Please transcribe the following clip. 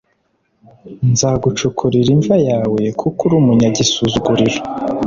nzagucukurira imva yawe kuko uri umunyagisuzuguriro